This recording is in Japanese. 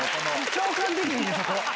共感できへんねんそこ。